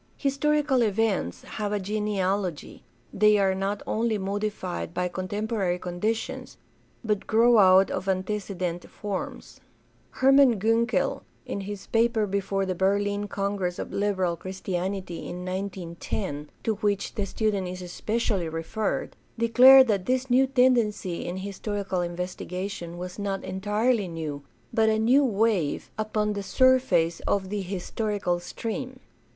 Historical events have a genealogy; they are not only modified by contempo rary conditions, but grow out of antecedent forms. Hermann THE DEVELOPMENT OF MODERN CHRISTIANITY 465 Gunkel, in his paper before the Berlin Congress of Liberal Christianity in 19 10, to which the student is especially referred, declared that this new tendency in historical investigation was not entirely new, but "a new wave " upon " the surface of of the historical stream."